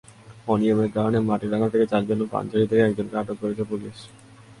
অনিয়মের কারণে মাটিরাঙ্গা থেকে চারজন এবং পানছড়ি থেকে একজনকে আটক করেছে পুলিশ।